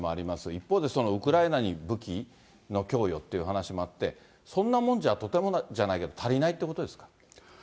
一方で、ウクライナに武器の供与っていう話もあって、そんなもんじゃとてもじゃないけど足りないってことですか。